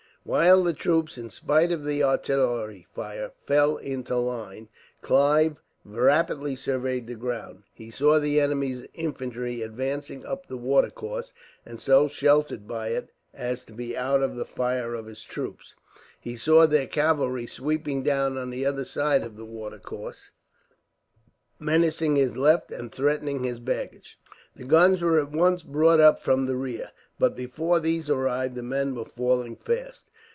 While the troops, in spite of the artillery fire, fell into line, Clive rapidly surveyed the ground. He saw the enemy's infantry advancing up the watercourse, and so sheltered by it as to be out of the fire of his troops. He saw their cavalry sweeping down on the other side of the watercourse, menacing his left and threatening his baggage. The guns were at once brought up from the rear, but before these arrived the men were falling fast.